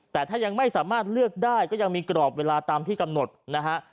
แต่ถ้ายังไม่สามารถเลือกได้ก็ยังมีกรอบเวลาตามที่กำหนดนะฮะ